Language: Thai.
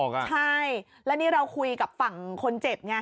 ใช่แล้วนี่เราคุยกับฝั่งคนเจ็บไง